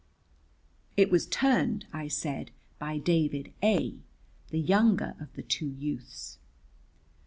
"It was turned," I said, "by David A , the younger of the two youths."